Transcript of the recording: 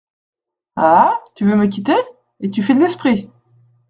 Ah ! tu veux me quitter ? et tu fais de l’esprit !